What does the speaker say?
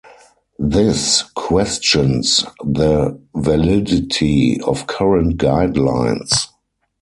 This questions the validity of current guidelines.